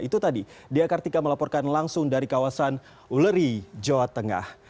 itu tadi dea kartika melaporkan langsung dari kawasan uleri jawa tengah